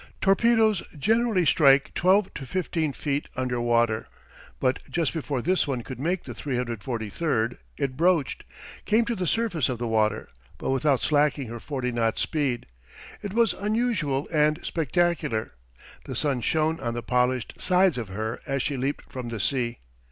Torpedoes generally strike twelve to fifteen feet under water, but just before this one could make the 343 it broached came to the surface of the water but without slacking her forty knot speed. It was unusual and spectacular. The sun shone on the polished sides of her as she leaped from the sea.